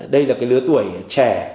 đây là lứa tuổi trẻ